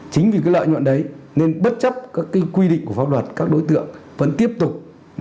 chính vì cái lợi nhuận đấy nên bất chấp các quy định của pháp luật các đối tượng vẫn tiếp tục